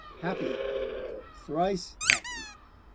'Happy, thrice happy!